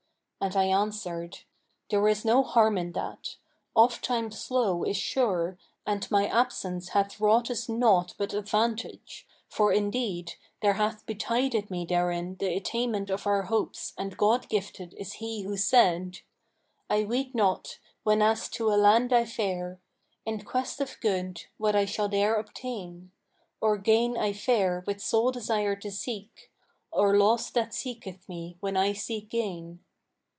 And I answered, 'There is no harm in that: ofttimes slow[FN#526] is sure and my absence hath wrought us naught but advantage, for indeed, there hath betided me therein the attainment of our hopes and God gifted is he who said, 'I weet not, whenas to a land I fare * In quest of good, what I shall there obtain; Or gain I fare with sole desire to seek; * Or loss that seeketh me when seek I gain.'